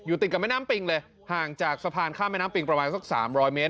ติดกับแม่น้ำปิงเลยห่างจากสะพานข้ามแม่น้ำปิงประมาณสักสามร้อยเมตร